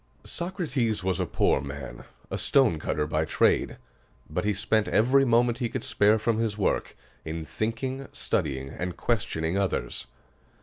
Socrates was a poor man, a stonecutter by trade; but he spent every moment he could spare from his work in thinking, studying, and questioning others.